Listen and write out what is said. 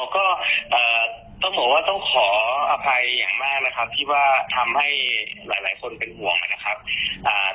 ก็ต้องบอกว่าต้องขออภัยอย่างมากนะครับที่ว่าทำให้หลายคนเป็นห่วงนะครับ